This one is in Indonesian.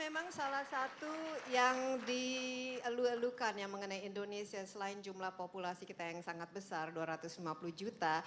memang salah satu yang dielu elukan ya mengenai indonesia selain jumlah populasi kita yang sangat besar dua ratus lima puluh juta